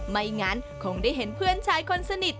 ไม่งั้นคงได้เห็นเพื่อนชายคนสนิท